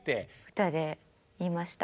歌で言いました。